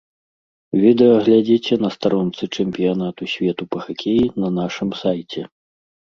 Відэа глядзіце на старонцы чэмпіянату свету па хакеі на нашым сайце.